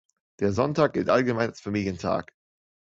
Der Sonntag gilt allgemein als Familientag.